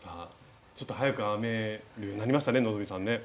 ちょっと速く編めるようになりましたね